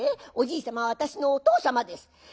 おじい様は私のお父様です。